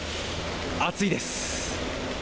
暑いです。